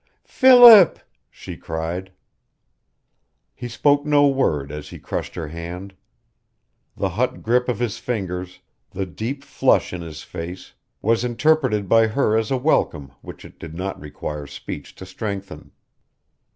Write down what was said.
"Philip!" she cried. He spoke no word as he crushed her hand. The hot grip of his fingers, the deep flush in his face, was interpreted by her as a welcome which it did not require speech to strengthen.